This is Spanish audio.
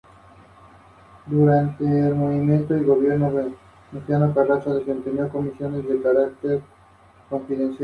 Siegfried tiene largo alcance y es muy poderoso, pero lento.